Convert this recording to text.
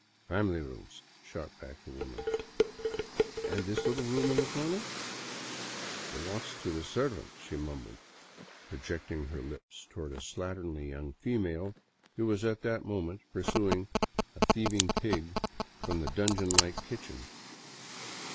" Family rooms," shot back the woman. " And this little room in the corner ?"" Belongs to the servant," she mumbled, projecting her lips toward a slatternly young female who was at that moment pursuing a thieving pig from the dungeon like kitchen.